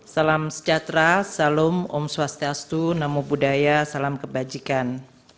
salam sejahtera salam om swastiastu namo buddhaya salam kebajikan